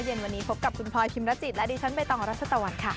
เย็นวันนี้พบกับคุณพลอยพิมรจิตและดิฉันใบตองรัชตะวันค่ะ